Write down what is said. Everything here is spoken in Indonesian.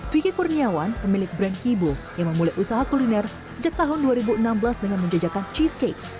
vicky kurniawan pemilik brand kibo yang memulai usaha kuliner sejak tahun dua ribu enam belas dengan menjejakan cheesecake